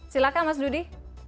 silakan mas dudi